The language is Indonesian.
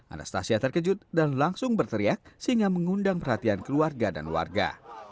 anastasia terkejut dan langsung berteriak sehingga mengundang perhatian keluarga dan warga